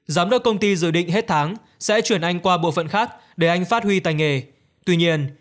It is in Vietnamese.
giám đốc công ty dự định hết tháng sẽ chuyển anh qua bộ phận khác để anh phát huy tài nghề tuy nhiên